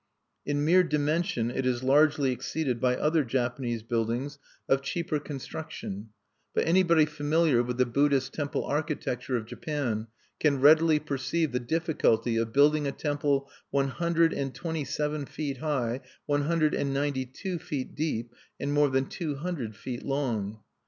In mere dimension it is largely exceeded by other Japanese buildings of cheaper construction; but anybody familiar with the Buddhist temple architecture of Japan can readily perceive the difficulty of building a temple one hundred and, twenty seven feet high, one hundred and ninety two feet deep, and more than two hundred feet long.